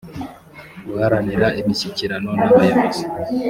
guharanira imishyikirano n abayobozi